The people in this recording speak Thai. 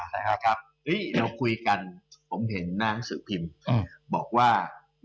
เดี๋ยวคุยกันผมเห็นนางสือพิมพ์บอกว่า